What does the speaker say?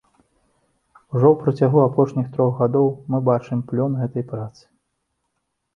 Ужо ў працягу апошніх трох гадоў мы бачым плён гэтай працы.